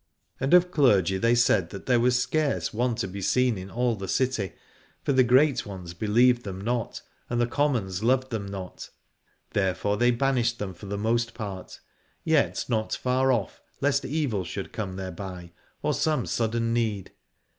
And of clergy they said that there was scarce one to be seen in all the city, for the great ones believed them not and the commons loved them not : there fore they banished them for the most part, yet not far off, lest evil should come thereby, or some sudden need.